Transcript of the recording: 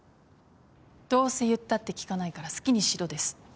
どうせ言ったって聞かないから好きにしろですって。